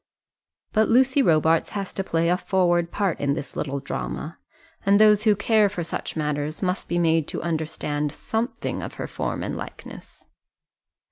But Lucy Robarts has to play a forward part in this little drama, and those who care for such matters must be made to understand something of her form and likeness.